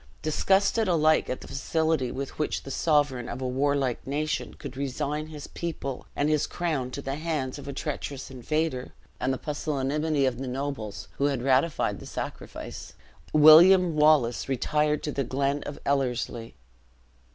Disgusted alike at the facility with which the sovereign of a warlike nation could resign his people and his crown into the hands of a treacherous invader, and at the pusillanimity of the nobles who had ratified the sacrifice, William Wallace retired to the glen of Ellerslie.